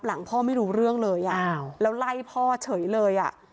แล้วไล่พ่อเฉยเลยอะ